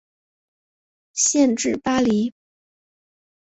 县治巴黎。